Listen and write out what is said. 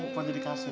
apa jadi kasih